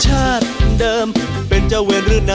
ชาติเดิมเป็นเจ้าเวรหรือนะ